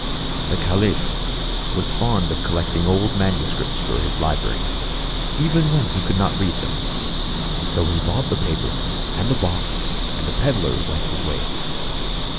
The caliph was fond of collecting old manu scripts for his library, even when he could not read them, so he bought the paper and the box, and the peddler went his way.